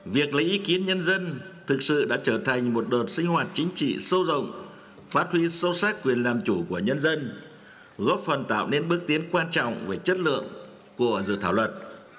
việc lấy ý kiến nhân dân thực sự đã trở thành một đột sinh hoạt chính trị sâu rộng phát huy sâu sắc quyền làm chủ của nhân dân góp phần tạo nên bước tiến quan trọng về chất lượng của dự thảo luật